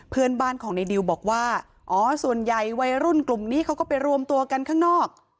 เพื่อนบ้านของในดิวบอกว่าอ๋อส่วนใหญ่วัยรุ่นกลุ่มนี้เขาก็ไปรวมตัวกันข้างนอก